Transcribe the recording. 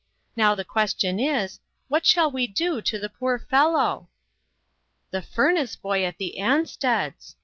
Now the question is, what shall we do to the poor fellow?" The furnace boy at the Ansteds